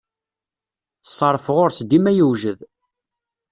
Ṣṣeṛf ɣuṛ-s dima yewjed.